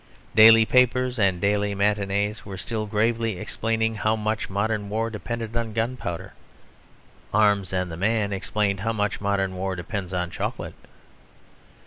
Daily papers and daily matinées were still gravely explaining how much modern war depended on gunpowder. Arms and the Man explained how much modern war depends on chocolate.